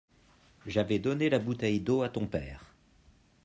J'avais donné la bouteille d'eau à ton père.